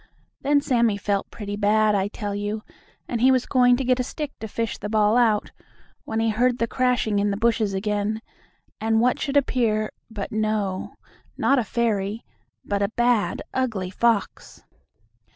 Then Sammie felt pretty bad, I tell you, and he was going to get a stick to fish the ball out, when he heard the crashing in the bushes again, and what should appear but no, not a fairy, but bad, ugly fox.